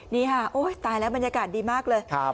นี่ค่ะโอ้ยตายแล้วบรรยากาศดีมากเลย